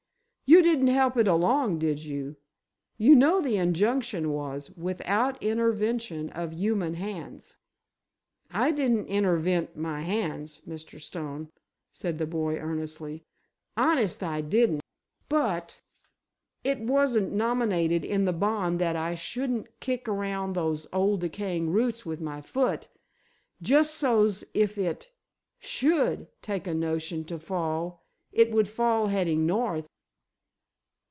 "You didn't help it along, did you? You know the injunction was, 'without intervention of human hands.'" "I didn't intervent my hands, Mr. Stone," said the boy, earnestly, "honest I didn't. But—it wasn't nominated in the bond that I shouldn't kick around those old decaying roots with my foot—just so's if it should take a notion to fall it would fall heading north!"